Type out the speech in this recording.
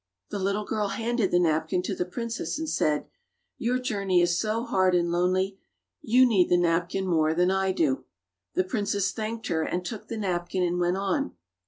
The little girl handed the napkin to the princess, and said, "Your journey is so hard and lonely you need the napkin more than I do." The princess thanked her and took the napkin, and went on.